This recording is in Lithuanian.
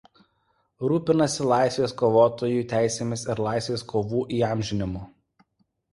Rūpinasi laisvės kovotojų teisėmis ir laisvės kovų įamžinimu.